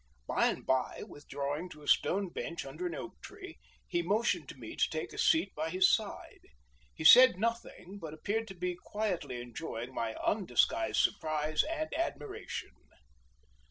By and by, withdrawing to a stone bench under an oak tree, he motioned to me to take a seat by his side. He said nothing, but appeared to be quietly enjoying my undisguised surprise and admiration.